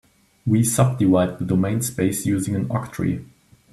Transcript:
We subdivide the domain space using an octree.